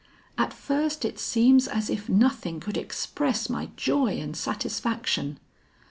At first it seems as if nothing could express my joy and satisfaction.